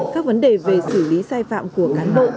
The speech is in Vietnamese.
các vấn đề về xử lý sai phạm của cán bộ